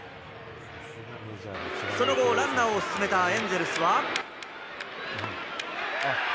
その後、ランナーを進めたエンゼルスは。